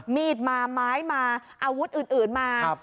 มีดมาไม้มาอาวุธอื่นมา